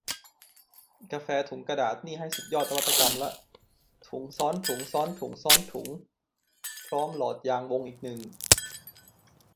กาแฟถุงกระดาษนี่ให้สุดยอดนวัตกรรมละ ถุงซ้อนถุงซ้อนถุงซ้อนถุงพร้อมหลอดยางวงอีกหนึ่ง